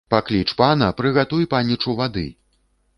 Пакліч пана, прыгатуй панічу вады!